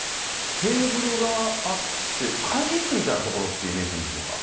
テーブルがあって、会議室みたいな所っていうイメージでいいんでしょうか？